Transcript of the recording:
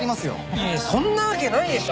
いやそんなわけないでしょ。